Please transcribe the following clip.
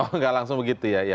oh nggak langsung begitu ya